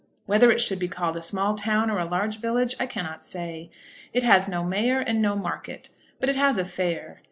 Whether it should be called a small town or a large village I cannot say. It has no mayor, and no market, but it has a fair.